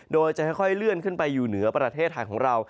โดยจะค่อยเลื่อนขึ้นไปอยู่เหนือประเทศไทยของเรา